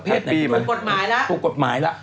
แพทย์ตีบปลุกกฎหมายละ